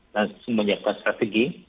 langsung menyiapkan strategi